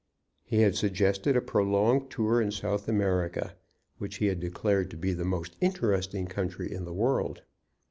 He had suggested a prolonged tour in South America, which he had declared to be the most interesting country in the world.